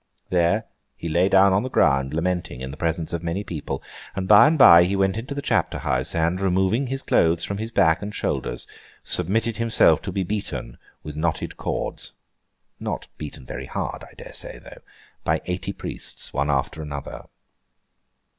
There, he lay down on the ground, lamenting, in the presence of many people; and by and by he went into the Chapter House, and, removing his clothes from his back and shoulders, submitted himself to be beaten with knotted cords (not beaten very hard, I dare say though) by eighty Priests, one after another.